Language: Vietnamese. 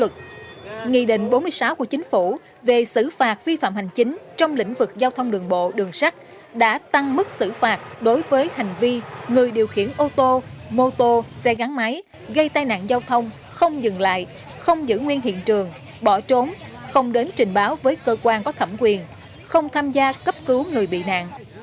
nghị định bốn mươi sáu của chính phủ về xử phạt vi phạm hành chính trong lĩnh vực giao thông đường bộ đường sắt đã tăng mức xử phạt đối với hành vi người điều khiển ô tô mô tô xe gắn máy gây tai nạn giao thông không dừng lại không giữ nguyên hiện trường bỏ trốn không đến trình báo với cơ quan có thẩm quyền không tham gia cấp cứu người bị nạn